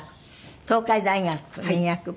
東海大学医学部。